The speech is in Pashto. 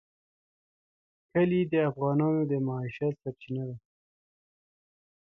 کلي د افغانانو د معیشت سرچینه ده.